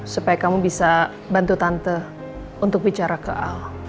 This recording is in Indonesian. supaya kamu bisa bantu tante untuk bicara ke al